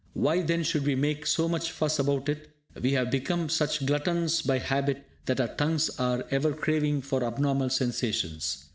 Why, then, should we make so much fuss about it? We have become such gluttons by habit that our tongues are ever craving for abnormal sensations.